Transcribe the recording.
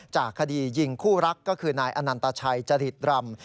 จากคดียิงคู่รักก็คือนายอนันตชัยจริตรำ